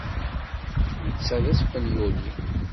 Netta d aspenyuli.